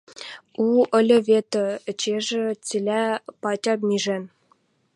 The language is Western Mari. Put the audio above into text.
у ыльы вет, эчежӹ цилӓ патя мижӓн.